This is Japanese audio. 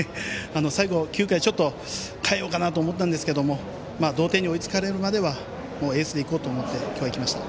最後９回は代えようかなと思ったんですが同点に追いつかれるまではエースで行こうと思って今日は、行きました。